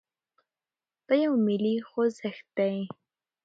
دا يو ملي خوځښت دی.